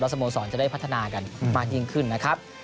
สโมสรจะได้พัฒนากันมากยิ่งขึ้นนะครับ